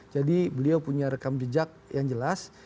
jadi beliau punya rekam jejak yang jelas